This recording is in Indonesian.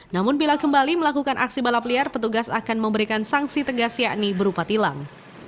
namun bila kembali melakukan aksi balap liar petugas akan memberikan sanksi tegas yakni berupa tilang